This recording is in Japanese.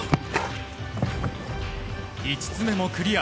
５つ目もクリア。